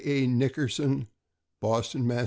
A. Nickerson, Boston, Mass.